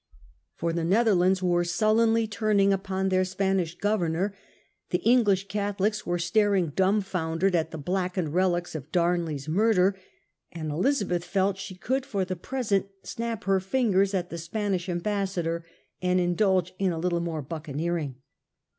For the Netherlands were sullenly turning upon their Spanish governor, the English Catholics were staring dumbfoundered at the blackened relics of Damley's murder, and Elizabeth felt she could for the present snap her fingers at the Spanish Ambassador and indulge in a little more buccaneering.